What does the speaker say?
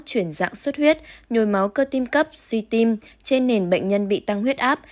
chuyển dạng xuất huyết nhồi máu cơ tim cấp suy tim trên nền bệnh nhân bị tăng huyết áp